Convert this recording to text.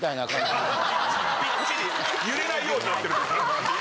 揺れないようになってる。